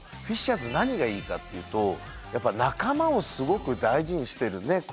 フィッシャーズ何がいいかというとやっぱ仲間をすごく大事にしてるね。